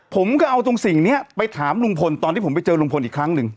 ผมก็เอาตรงสิ่งนี้ไปถามลุงพลตอนที่ผมไปเจอลุงพลอีกครั้งหนึ่ง